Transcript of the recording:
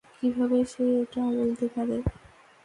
কিভাবে সে এটা বলতে পারে?